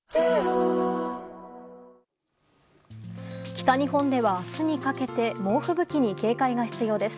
北日本では明日にかけて猛吹雪に警戒が必要です。